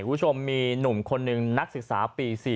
คุณผู้ชมมีหนุ่มคนหนึ่งนักศึกษาปี๔